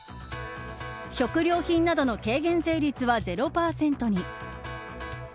食料品などの軽減税率は０％に。